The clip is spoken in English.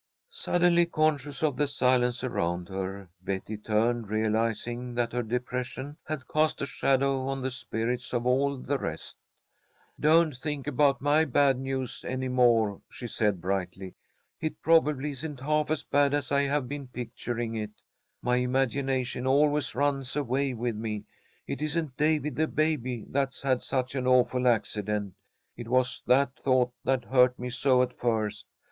Suddenly conscious of the silence around her, Betty turned, realizing that her depression had cast a shadow on the spirits of all the rest. "Don't think about my bad news any more," she said, brightly. "It probably isn't half as bad as I have been picturing it. My imagination always runs away with me. It isn't Davy the baby that's had such an awful accident. It was that thought that hurt me so at first.